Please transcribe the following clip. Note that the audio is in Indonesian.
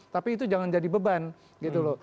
tapi itu jangan jadi beban gitu loh